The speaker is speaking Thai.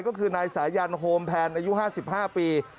ก็คือนายสายันโฮมแพนอายุ๕๕ปี